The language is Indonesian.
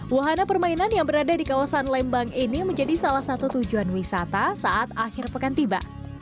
wahana permainan yang berada di kawasan lembang ini menjadi salah satu tujuan wisata saat akhir pekan tiba